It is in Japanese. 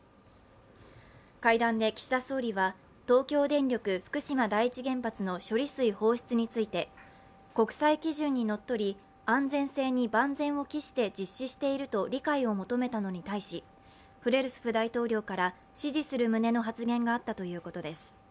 会談で岸田総理は東京電力福島第一原発の処理水放出について国際基準にのっとり安全性に万全を期して実施していると理解を求めたのに対し、フレルスフ大統領から支持する旨の発言があったということです。